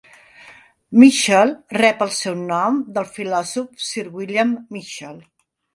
Mitchell rep el seu nom del filòsof Sir William Mitchell.